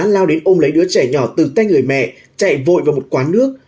lao đến ôm lấy đứa trẻ nhỏ từ tay người mẹ chạy vội vào một quán nước